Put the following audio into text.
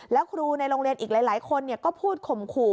แล้วครูในโรงเรียนอีกหลายคนก็พูดข่มขู่